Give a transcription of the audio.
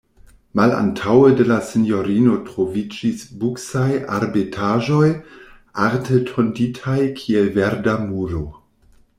Malantaŭe de la sinjorino troviĝis buksaj arbetaĵoj, arte tonditaj kiel verda muro.